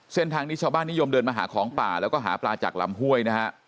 เส้นทางนี้ชาวบ้านนิยมเดินมาหาของป่าแล้วก็หาปลาจากลำห้วยนะฮะ